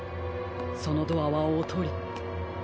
そのドアはおとり。